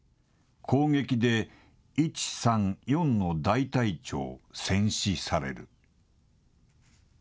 攻撃で１・３・４の大隊長戦死される。